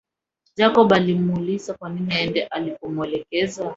Jacob alimuuliza kwanini aende alipomuelekeza